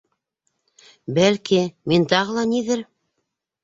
Бәлки, мин тағы ла ниҙер...